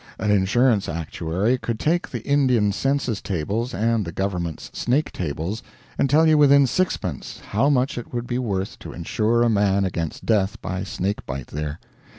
An insurance actuary could take the Indian census tables and the government's snake tables and tell you within sixpence how much it would be worth to insure a man against death by snake bite there.